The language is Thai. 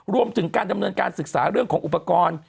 รวมถึงการดำเนินการศึกษาเรื่องของอุปกรณ์